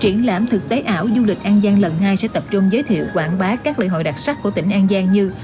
triển lãm thực tế ảo du lịch an giang lần hai sẽ tập trung giới thiệu quảng bá các lễ hội đặc sắc của tỉnh an giang như